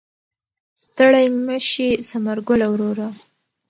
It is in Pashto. ستړی مه شې ثمر ګله وروره.